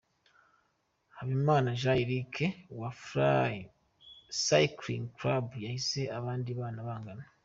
Habimana Jean Eric wa Fly Cycling Club yahise abandi bana bangana .